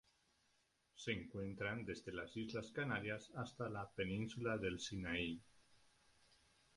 Se encuentran desde las islas Canarias hasta la península del Sinaí.